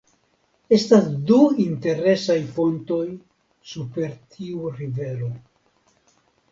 Estas du interesaj pontoj super tiu rivero.